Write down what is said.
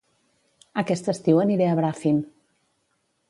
Aquest estiu aniré a Bràfim